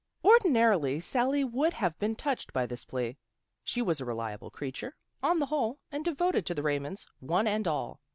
Ordinarily Sally would have been touched by this plea. She was a reliable creature, on the whole, and devoted to the Raymonds, one and all.